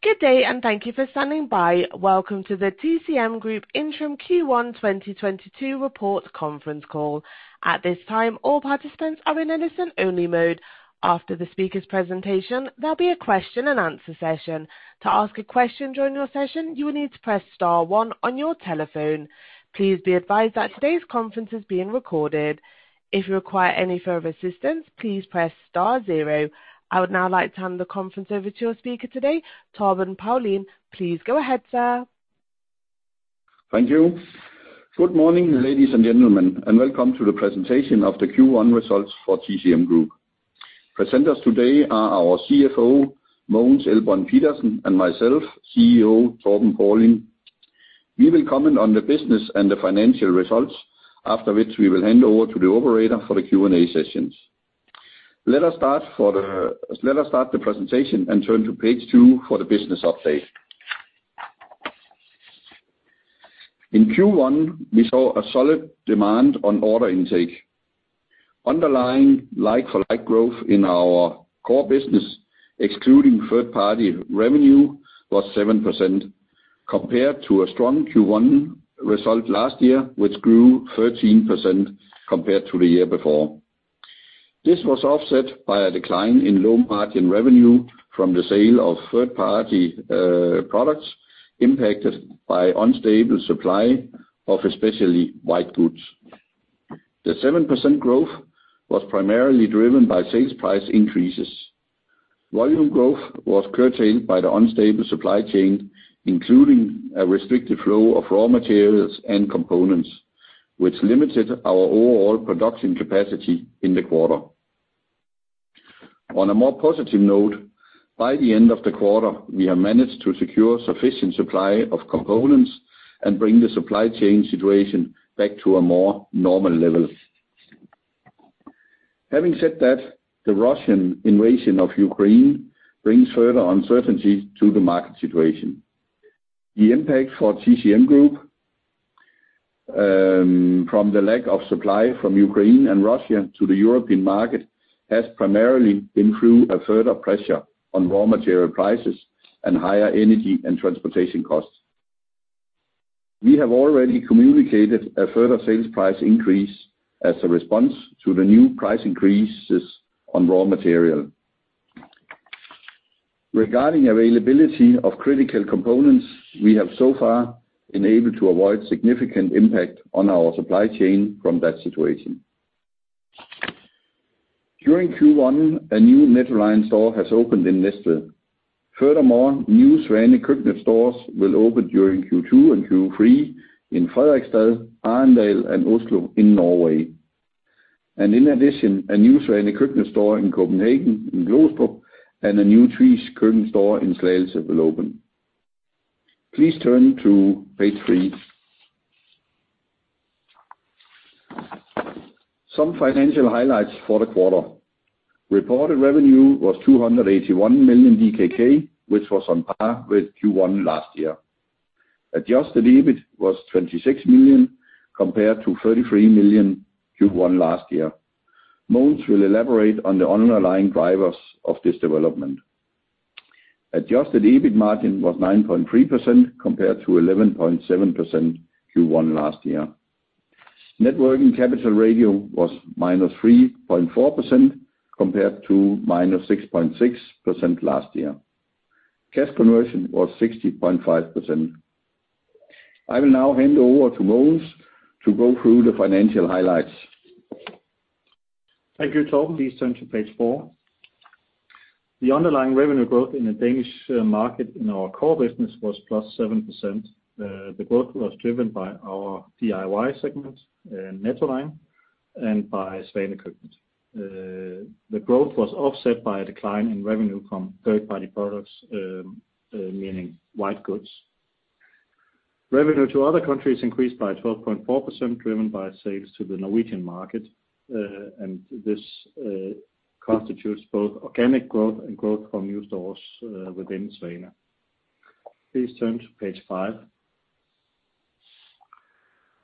Good day. Thank you for standing by. Welcome to the TCM Group Interim Q1 2022 Report Conference Call. At this time, all participants are in a listen only mode. After the speaker's presentation, there'll be a question and answer session. Please be advised that today's conference is being recorded. I would now like to hand the conference over to your speaker today, Torben Paulin. Please go ahead, sir. Thank you. Good morning, ladies and gentlemen, and welcome to the presentation of the Q1 results for TCM Group. Presenters today are our CFO, Mogens Elbrønd Pedersen, and myself, CEO, Torben Paulin. We will comment on the business and the financial results, after which we will hand over to the operator for the Q&A sessions. Let us start the presentation and turn to page two for the business update. In Q1, we saw a solid demand on order intake. Underlying like-for-like growth in our core business, excluding third-party revenue was 7%, compared to a strong Q1 result last year, which grew 13% compared to the year before. This was offset by a decline in low margin revenue from the sale of third-party products impacted by unstable supply of especially white goods. The 7% growth was primarily driven by sales price increases. Volume growth was curtailed by the unstable supply chain, including a restricted flow of raw materials and components, which limited our overall production capacity in the quarter. On a more positive note, by the end of the quarter, we have managed to secure sufficient supply of components and bring the supply chain situation back to a more normal level. Having said that, the Russian invasion of Ukraine brings further uncertainty to the market situation. The impact for TCM Group from the lack of supply from Ukraine and Russia to the European market has primarily been through a further pressure on raw material prices and higher energy and transportation costs. We have already communicated a further sales price increase as a response to the new price increases on raw material. Regarding availability of critical components, we have so far been able to avoid significant impact on our supply chain from that situation. During Q1, a new Nettoline store has opened in Næstved. Furthermore, new Svane Køkkenet stores will open during Q2 and Q3 in Fredrikstad, Arendal, and Oslo in Norway. In addition, a new Svane Køkkenet store in Copenhagen in Glostrup, and a new HTH Køkken store in Slagelse will open. Please turn to page three. Some financial highlights for the quarter. Reported revenue was 281 million DKK, which was on par with Q1 last year. Adjusted EBIT was 26 million compared to 33 million Q1 last year. Mogens will elaborate on the underlying drivers of this development. Adjusted EBIT margin was 9.3% compared to 11.7% Q1 last year. Net working capital ratio was -3.4% compared to -6.6% last year. Cash conversion was 60.5%. I will now hand over to Mogens to go through the financial highlights. Thank you, Torben. Please turn to page four. The underlying revenue growth in the Danish market in our core business was plus 7%. The growth was driven by our DIY segment, Nettoline, and by Svane Køkkenet. The growth was offset by a decline in revenue from third-party products, meaning white goods. Revenue to other countries increased by 12.4%, driven by sales to the Norwegian market. This constitutes both organic growth and growth from new stores within Svane. Please turn to page five.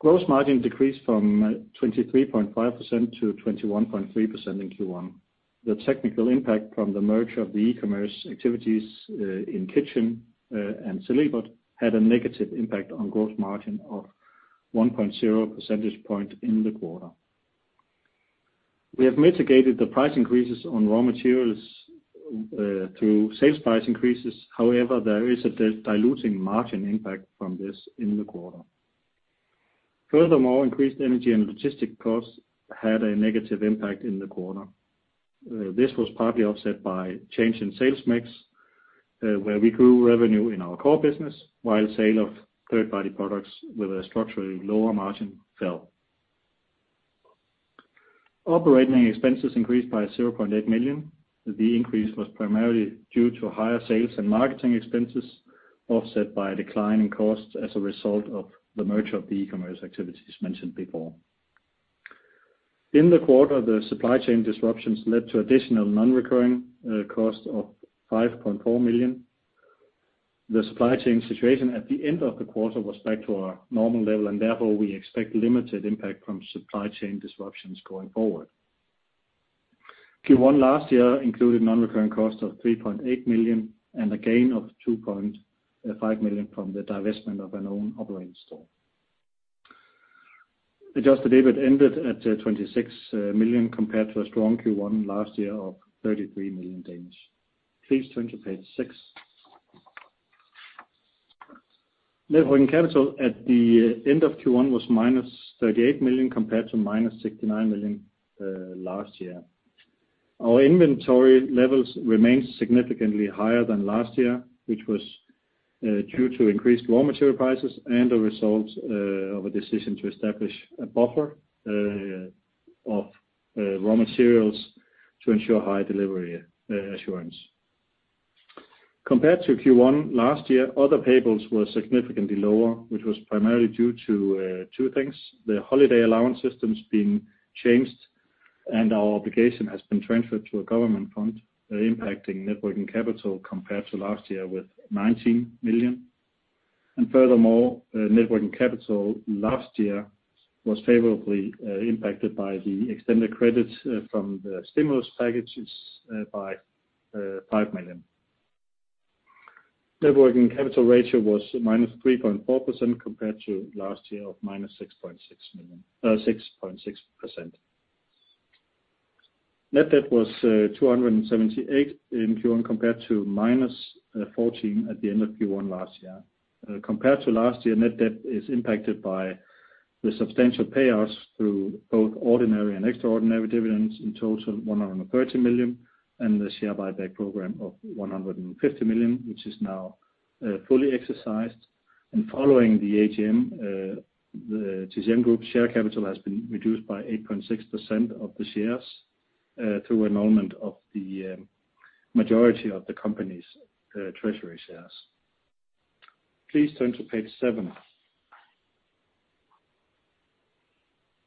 Gross margin decreased from 23.5% to 21.3% in Q1. The technical impact from the merger of the e-commerce activities, in kitchn.dk and Celebert, had a negative impact on gross margin of 1.0 percentage point in the quarter. We have mitigated the price increases on raw materials through sales price increases. There is a diluting margin impact from this in the quarter. Furthermore, increased energy and logistics costs had a negative impact in the quarter. This was partly offset by change in sales mix, where we grew revenue in our core business while sale of third-party products with a structurally lower margin fell. Operating expenses increased by 0.8 million. The increase was primarily due to higher sales and marketing expenses, offset by a decline in costs as a result of the merger of the e-commerce activities mentioned before. In the quarter, the supply chain disruptions led to additional non-recurring costs of 5.4 million. The supply chain situation at the end of the quarter was back to our normal level, and therefore, we expect limited impact from supply chain disruptions going forward. Q1 last year included non-recurring costs of 3.8 million and a gain of 2.5 million from the divestment of an owned operating store. Adjusted EBIT ended at 26 million compared to a strong Q1 last year of 33 million. Please turn to page six. Net working capital at the end of Q1 was -38 million compared to -69 million last year. Our inventory levels remain significantly higher than last year, which was due to increased raw material prices and the result of a decision to establish a buffer of raw materials to ensure high delivery assurance. Compared to Q1 last year, other payables were significantly lower, which was primarily due to two things, the holiday allowance systems being changed, and our obligation has been transferred to a government fund, impacting net working capital compared to last year with 19 million. Furthermore, net working capital last year was favorably impacted by the extended credits from the stimulus packages by DKK 5 million. Net working capital ratio was -3.4% compared to last year of -6.6%. Net debt was 278 in Q1 compared to -14 at the end of Q1 last year. Compared to last year, net debt is impacted by the substantial payouts through both ordinary and extraordinary dividends, in total 130 million, and the share buyback program of 150 million, which is now fully exercised. Following the AGM, the TCM Group share capital has been reduced by 8.6% of the shares through annulment of the majority of the company's treasury shares. Please turn to page seven.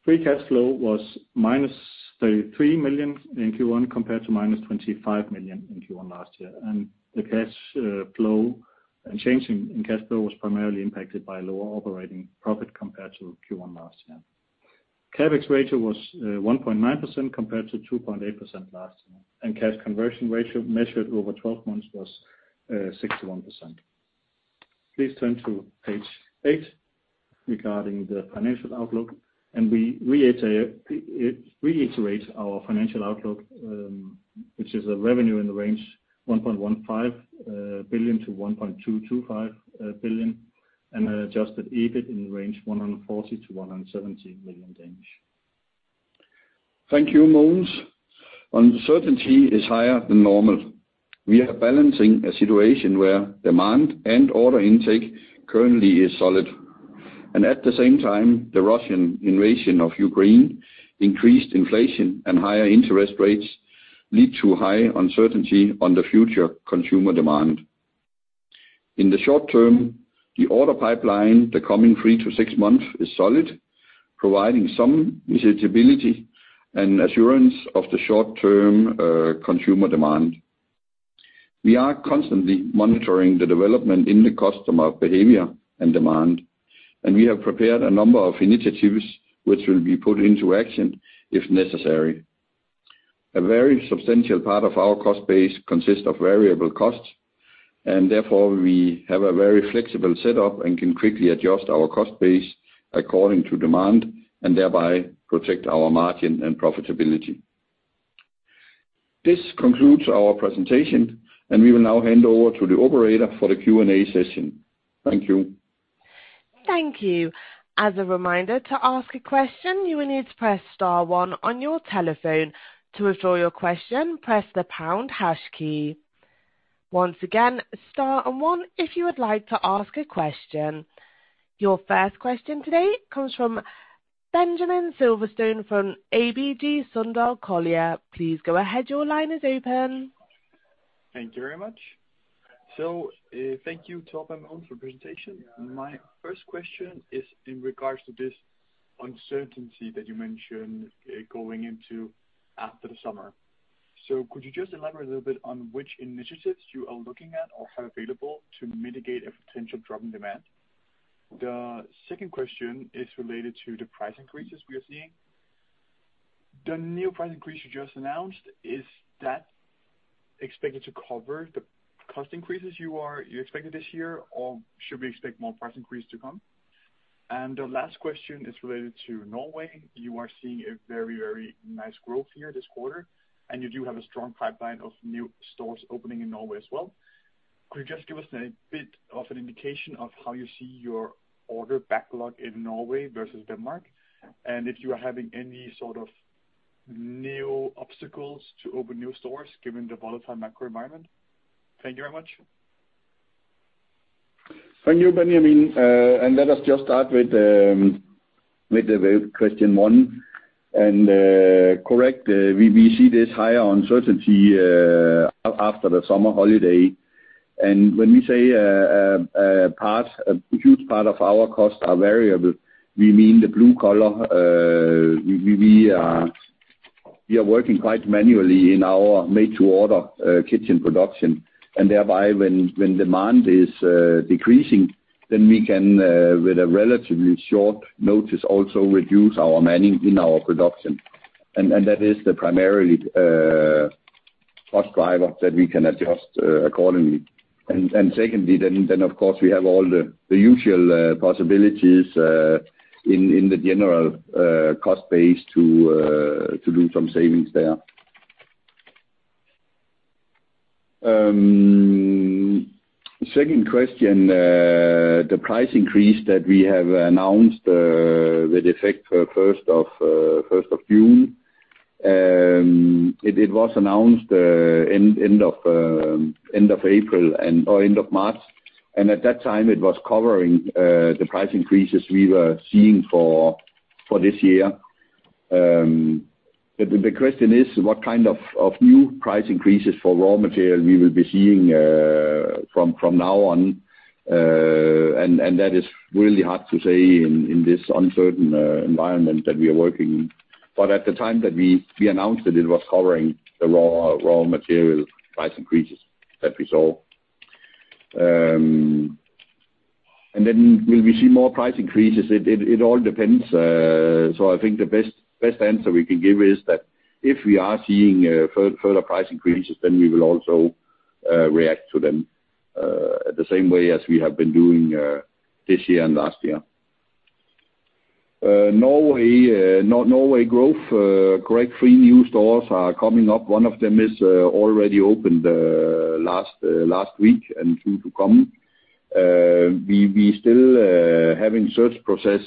Free cash flow was -33 million in Q1 compared to -25 million in Q1 last year. The change in cash flow was primarily impacted by lower operating profit compared to Q1 last year. CapEx ratio was 1.9% compared to 2.8% last year, and cash conversion ratio measured over 12 months was 61%. Please turn to page eight regarding the financial outlook. We reiterate our financial outlook, which is a revenue in the range 1.15 billion-1.225 billion and adjusted EBIT in the range 140 million-170 million. Thank you, Mogens. Uncertainty is higher than normal. We are balancing a situation where demand and order intake currently is solid, and at the same time, the Russian invasion of Ukraine, increased inflation, and higher interest rates lead to high uncertainty on the future consumer demand. In the short term, the order pipeline the coming three to six months is solid, providing some visibility and assurance of the short-term consumer demand. We are constantly monitoring the development in the customer behavior and demand, and we have prepared a number of initiatives which will be put into action if necessary. A very substantial part of our cost base consists of variable costs, and therefore we have a very flexible setup and can quickly adjust our cost base according to demand and thereby protect our margin and profitability. This concludes our presentation, and we will now hand over to the operator for the Q&A session. Thank you. Thank you. As a reminder, to ask a question, you will need to press star one on your telephone. To withdraw your question, press the pound hash key. Once again, star and one if you would like to ask a question. Your first question today comes from Benjamin Silverstone from ABG Sundal Collier. Please go ahead. Your line is open. Thank you very much. Thank you, Torben and Mogens, for the presentation. My first question is in regards to this uncertainty that you mentioned going into after the summer. Could you just elaborate a little bit on which initiatives you are looking at or have available to mitigate a potential drop in demand? The second question is related to the price increases we are seeing. The new price increase you just announced, is that expected to cover the cost increases you expected this year, or should we expect more price increase to come? The last question is related to Norway. You are seeing a very nice growth here this quarter, and you do have a strong pipeline of new stores opening in Norway as well. Could you just give us a bit of an indication of how you see your order backlog in Norway versus Denmark, and if you are having any sort of new obstacles to open new stores given the volatile macro environment? Thank you very much. Thank you, Benjamin. Let us just start with question one. Correct, we see this higher uncertainty after the summer holiday. When we say a huge part of our costs are variable, we mean the blue collar. We are working quite manually in our made-to-order kitchen production, and thereby when demand is decreasing. Then we can, with a relatively short notice, also reduce our manning in our production. That is the primary cost driver that we can adjust accordingly. Secondly, of course we have all the usual possibilities in the general cost base to do some savings there. Second question, the price increase that we have announced with effect for 1st of June, it was announced end of April or end of March, and at that time it was covering the price increases we were seeing for this year. The question is what kind of new price increases for raw material we will be seeing from now on, and that is really hard to say in this uncertain environment that we are working in. At the time that we announced it was covering the raw material price increases that we saw. Will we see more price increases? It all depends. I think the best answer we can give is that if we are seeing further price increases, then we will also react to them, the same way as we have been doing this year and last year. Norway growth, correct, three new stores are coming up. One of them is already opened last week, and two to come. We still are having search process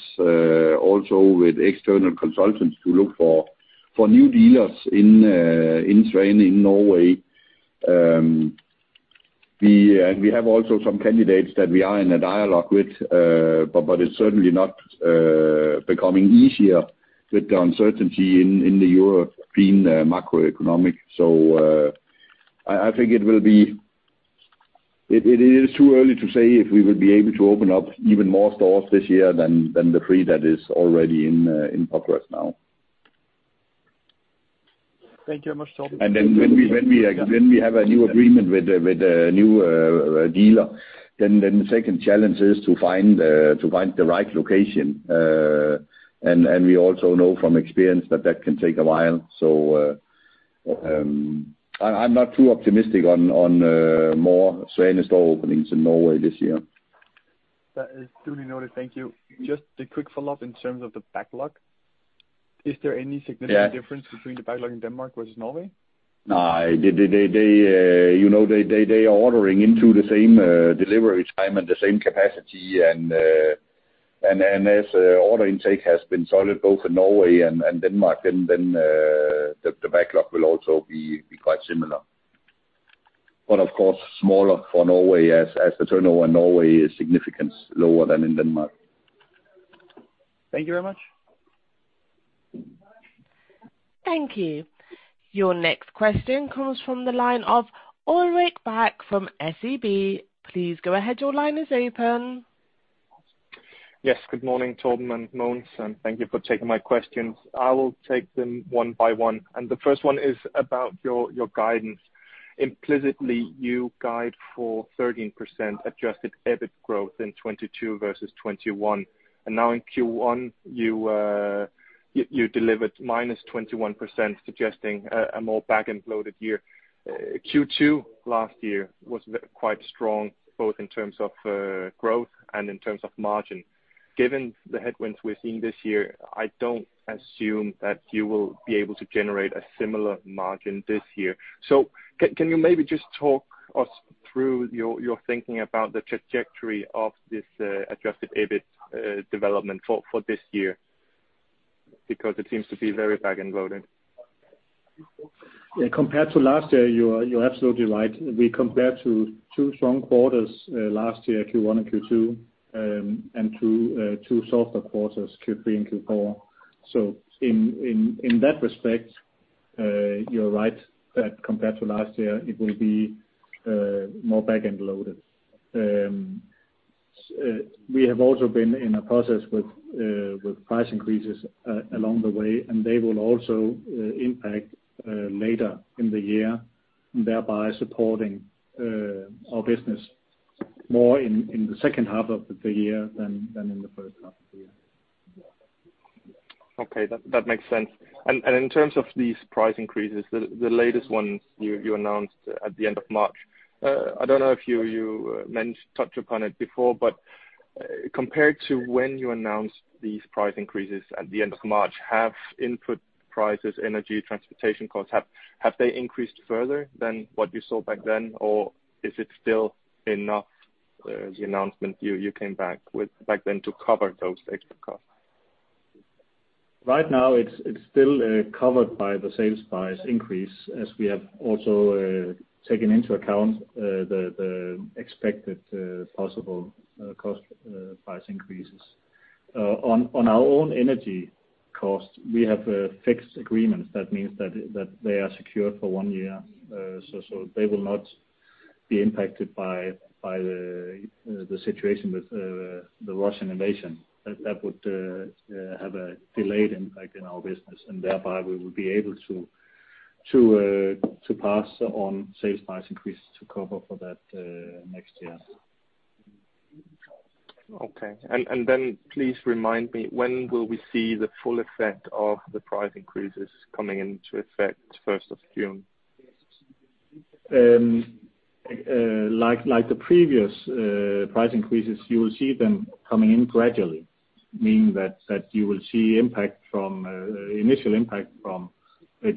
also with external consultants to look for new dealers in Svane in Norway. We have also some candidates that we are in a dialogue with, but it's certainly not becoming easier with the uncertainty in the European macroeconomic. I think it is too early to say if we will be able to open up even more stores this year than the three that is already in progress now. Thank you very much, Torben. When we have a new agreement with a new dealer, then the second challenge is to find the right location. We also know from experience that that can take a while. I'm not too optimistic on more Svane store openings in Norway this year. That is duly noted. Thank you. Just a quick follow-up in terms of the backlog. Yeah Difference between the backlog in Denmark versus Norway? No. They are ordering into the same delivery time and the same capacity, as order intake has been solid both in Norway and Denmark, then the backlog will also be quite similar. Of course, smaller for Norway as the turnover in Norway is significantly lower than in Denmark. Thank you very much. Thank you. Your next question comes from the line of Ulrik Bak from SEB. Yes, good morning, Torben and Mogens, and thank you for taking my questions. I will take them one by one. The first one is about your guidance. Implicitly, you guide for 13% adjusted EBIT growth in 2022 versus 2021. Now in Q1, you delivered -21%, suggesting a more back-end loaded year. Q2 last year was quite strong, both in terms of growth and in terms of margin. Given the headwinds we're seeing this year, I don't assume that you will be able to generate a similar margin this year. Can you maybe just talk us through your thinking about the trajectory of this adjusted EBIT development for this year? It seems to be very back-end loaded. Yeah, compared to last year, you're absolutely right. We compared two strong quarters last year, Q1 and Q2, and two softer quarters, Q3 and Q4. In that respect, you're right that compared to last year, it will be more back-end loaded. We have also been in a process with price increases along the way, and they will also impact later in the year, thereby supporting our business more in the second half of the year than in the first half of the year. Okay. That makes sense. In terms of these price increases, the latest ones you announced at the end of March, I don't know if you managed to touch upon it before, but compared to when you announced these price increases at the end of March, have input prices, energy, transportation costs, have they increased further than what you saw back then? Is it still enough, the announcement you came back with back then to cover those extra costs? Right now, it's still covered by the sales price increase, as we have also taken into account the expected possible cost price increases. On our own energy costs, we have fixed agreements. That means that they are secured for one year, so they will not be impacted by the situation with the Russian invasion. Thereby we would be able to pass on sales price increases to cover for that next year. Okay. Please remind me, when will we see the full effect of the price increases coming into effect 1st of June? Like the previous price increases, you will see them coming in gradually, meaning that you will see initial impact from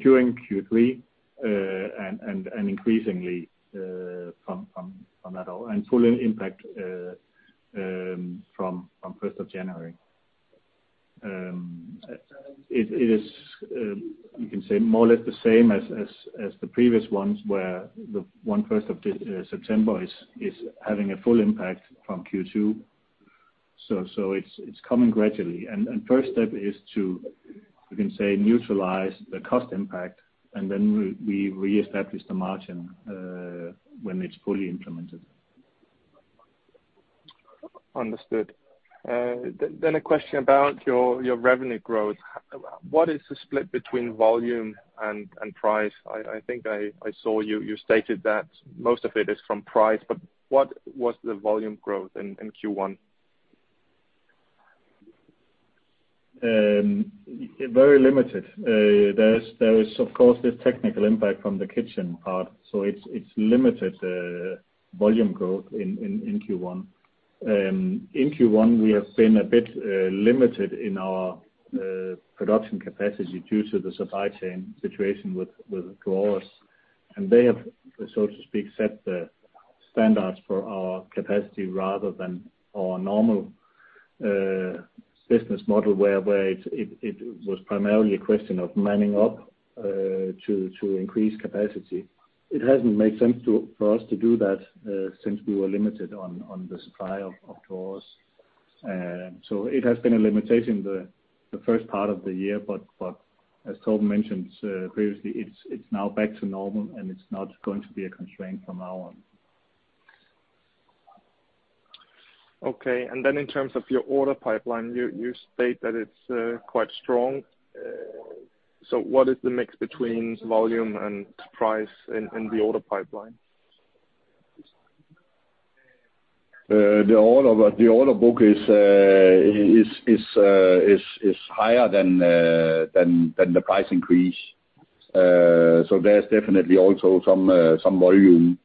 during Q3 and increasingly from that on. Full impact from 1st of January. You can say more or less the same as the previous ones, where the 1st of September is having a full impact from Q2. It's coming gradually. First step is to, you can say, neutralize the cost impact, and then we reestablish the margin when it's fully implemented. Understood. A question about your revenue growth. What is the split between volume and price? I think I saw you stated that most of it is from price, but what was the volume growth in Q1? Very limited. There is, of course, the technical impact from the kitchen part. It's limited volume growth in Q1. In Q1, we have been a bit limited in our production capacity due to the supply chain situation with drawers. They have, so to speak, set the standards for our capacity rather than our normal business model where it was primarily a question of manning up to increase capacity. It hasn't made sense for us to do that since we were limited on the supply of drawers. It has been a limitation the first part of the year, but as Torben mentioned previously, it's now back to normal, and it's not going to be a constraint from now on. Okay. In terms of your order pipeline, you state that it's quite strong. What is the mix between volume and price in the order pipeline? The order book is higher than the price increase. There's definitely also some volume.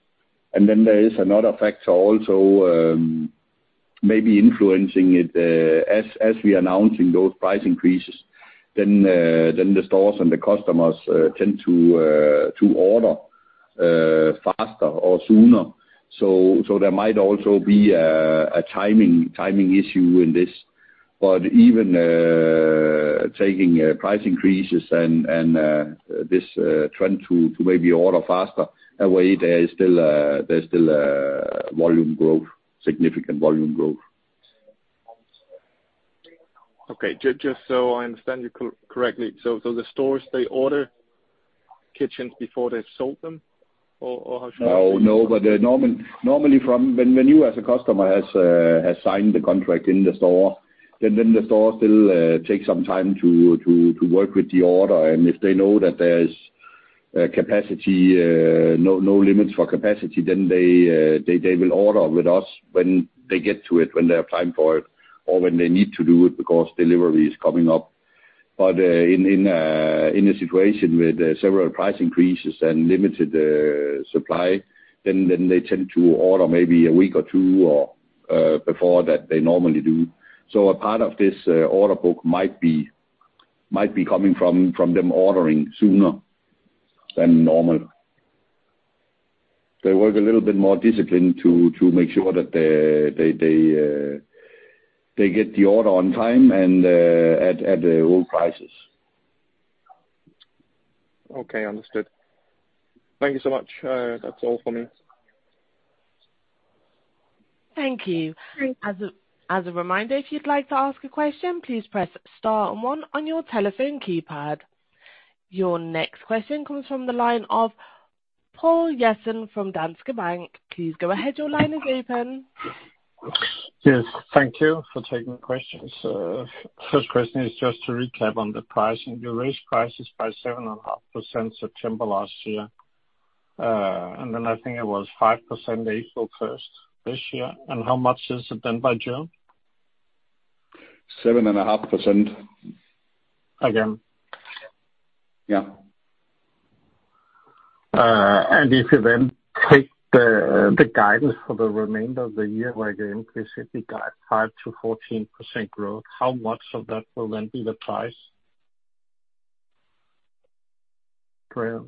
There is another factor also maybe influencing it. As we are announcing those price increases, then the stores and the customers tend to order faster or sooner. There might also be a timing issue in this. Even taking price increases and this trend to maybe order faster, away, there's still significant volume growth. Okay. Just so I understand you correctly. The stores, they order kitchens before they've sold them? Normally when you as a customer have signed the contract in the store, then the store still takes some time to work with the order. If they know that there's no limits for capacity, then they will order with us when they get to it, when they have time for it, or when they need to do it because delivery is coming up. In a situation with several price increases and limited supply, then they tend to order maybe a week or two before that they normally do. A part of this order book might be coming from them ordering sooner than normal. They work a little bit more disciplined to make sure that they get the order on time and at the old prices. Okay, understood. Thank you so much. That's all for me. Thank you. As a reminder, if you'd like to ask a question, please press star and one on your telephone keypad. Your next question comes from the line of Poul Jessen from Danske Bank. Please go ahead. Yes. Thank you for taking the questions. First question is just to recap on the pricing. You raised prices by 7.5% September last year, and then I think it was 5% April 1st this year. How much is it then by June? 7.5%. Again? Yeah. If you take the guidance for the remainder of the year where the increase will be guide 5%-14% growth, how much of that will then be the price drive?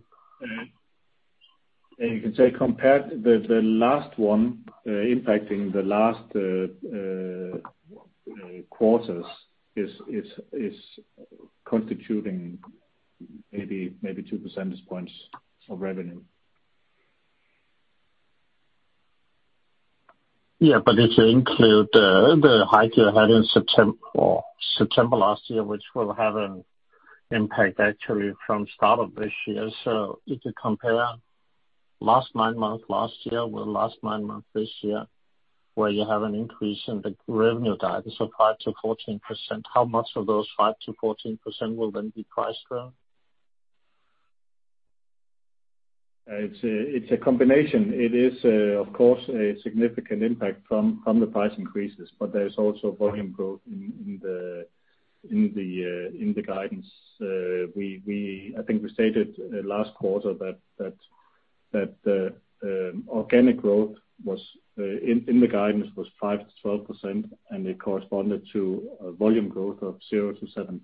You can say compared the last one, impacting the last quarters is constituting maybe two percentage points of revenue. Yeah, if you include the hike you had in September last year, which will have an impact actually from start of this year. If you compare last nine months, last year, with last nine months this year, where you have an increase in the revenue guidance of 5%-14%. How much of those 5%-14% will then be price growth? It's a combination. It is, of course, a significant impact from the price increases, but there is also volume growth in the guidance. I think we stated last quarter that the organic growth in the guidance was 5%-12% and it corresponded to a volume growth of 0%-7%.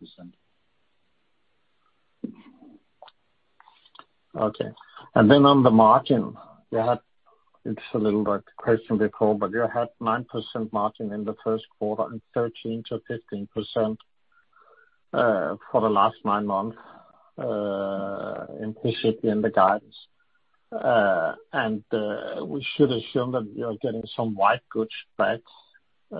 Okay. On the margin, it's a little like the question before. You had 9% margin in the first quarter and 13%-15% for the last nine months, implicitly in the guidance. We should assume that you're getting some white goods back. Is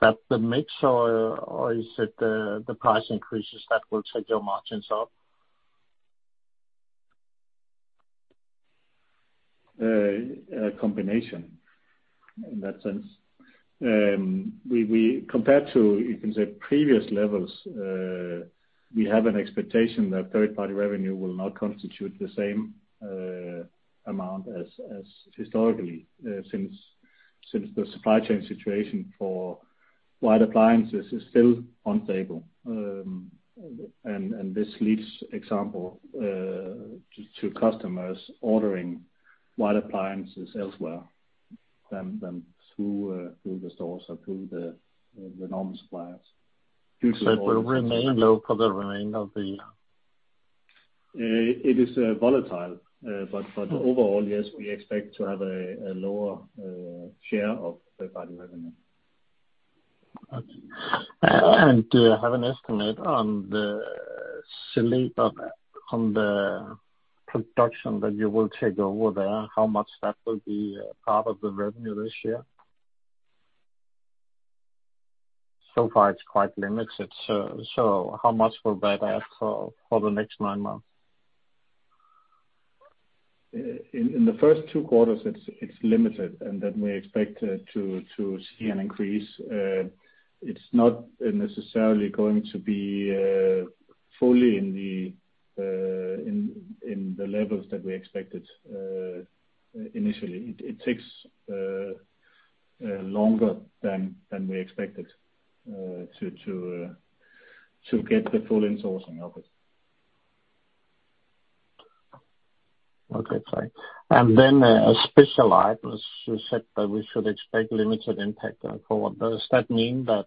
that the mix or is it the price increases that will take your margins up? A combination in that sense. Compared to, you can say previous levels, we have an expectation that third-party revenue will not constitute the same amount as historically, since the supply chain situation for white appliances is still unstable. This leads, for example, to customers ordering white appliances elsewhere than through the stores or through the normal suppliers. It will remain low for the remainder of the year? It is volatile, but overall, yes, we expect to have a lower share of third-party revenue. Okay. Do you have an estimate on the production that you will take over there, how much that will be a part of the revenue this year? So far it's quite limited, so how much will that add for the next nine months? In the first two quarters it's limited and then we expect to see an increase. It's not necessarily going to be fully in the levels that we expected initially. It takes longer than we expected to get the full insourcing of it. Okay, fine. Special items, you said that we should expect limited impact going forward. Does that mean that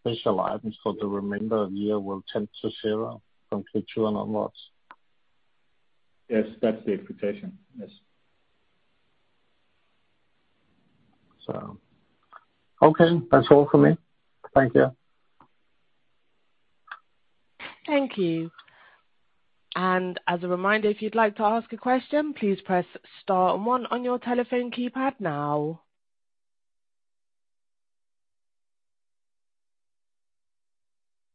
special items for the remainder of the year will tend to zero from Q2 onwards? Yes, that's the expectation. Yes. Okay. That's all from me. Thank you. Thank you. As a reminder, if you'd like to ask a question, please press star and one on your telephone keypad now.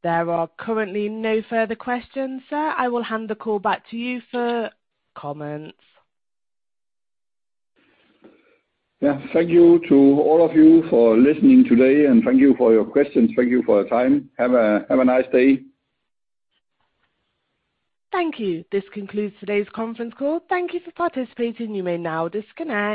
There are currently no further questions. Sir, I will hand the call back to you for comments. Thank you to all of you for listening today, and thank you for your questions. Thank you for your time. Have a nice day. Thank you. This concludes today's conference call. Thank you for participating. You may now disconnect.